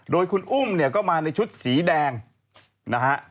โดยคุณอุ้มเนี่ยก็มาในชุดสีแดงนะฮะ